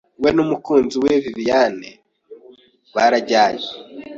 we n'umukunzi we Viviane barajyanye